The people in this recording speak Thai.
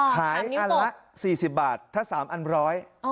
อันละ๔๐บาทถ้า๓อันร้อย